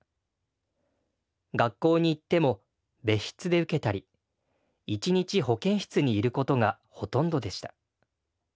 学校に行っても別室で受けたり一日保健室にいることがほとんどでした。